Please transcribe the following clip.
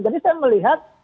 jadi saya melihat